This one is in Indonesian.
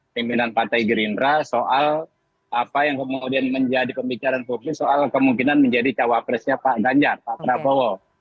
pimpinan partai gerindra soal apa yang kemudian menjadi pembicaraan publik soal kemungkinan menjadi cawapresnya pak ganjar pak prabowo